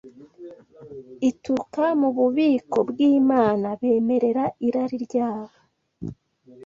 ituruka mu bubiko bw’Imana bemerera irari ryabo